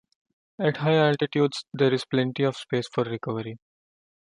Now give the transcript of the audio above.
At high altitudes, there is plenty of space for recovery.